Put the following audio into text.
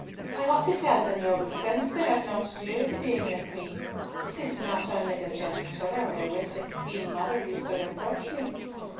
I ought to tell the noble Prince to have naught to do with a being like me. 'Tis not only the jettatura wherewith the Queen Mother used to reproach me.